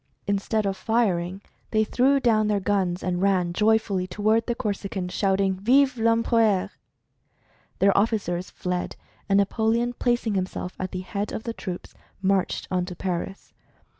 Instead of firing, they threw down their guns and ran joyfully toward the Corsican shouting, "Vive I'Empereur!" Their officers fled, and Napoleon, placing himself at the head of the troops, marched on to Paris.